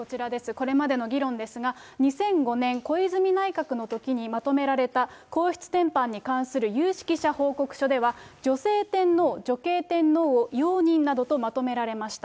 これまでの議論ですが、２００５年、小泉内閣のときにまとめられた、皇室典範に関する有識者報告書では、女性天皇、女系天皇を容認などとまとめられました。